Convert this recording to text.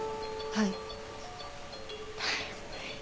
はい。